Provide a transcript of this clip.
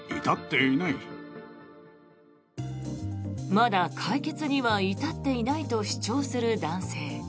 まだ解決には至っていないと主張する男性。